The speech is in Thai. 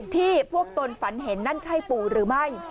ที่พวกตนฝันเห็นนั่นใช่ปู่หรือไม่